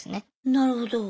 なるほど。